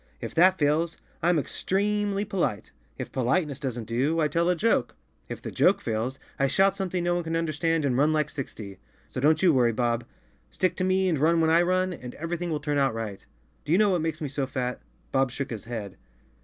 If that fails, Pm extree—mly polite. If po¬ liteness doesn't do, I tell a joke. If the joke fails, I shout something no one can understand and rim like sixty. So don't you worry, Bob; stick to me and run when I run and everything will turn out right. Do you know what makes me so fat?" Bob shook his head.